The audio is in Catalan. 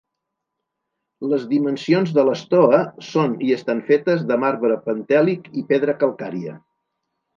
Les dimensions de l'estoa són i estan fetes de marbre pentèlic i pedra calcària.